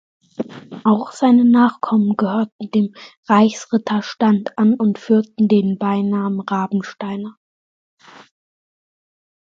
Auch seine Nachkommen gehörten dem Reichsritterstand an und führten den Beinamen „Rabensteiner“.